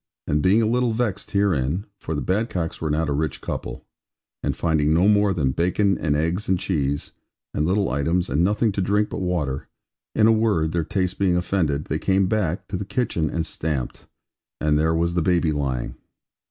And being a little vexed herein (for the Badcocks were not a rich couple) and finding no more than bacon, and eggs, and cheese, and little items, and nothing to drink but water; in a word, their taste being offended, they came back, to the kitchen, and stamped; and there was the baby lying.